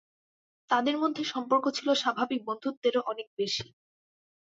তাদের মধ্যে সম্পর্ক ছিল স্বাভাবিক বন্ধুত্বেরও অনেক বেশি।